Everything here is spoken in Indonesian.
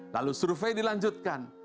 lalu survei dilanjutkan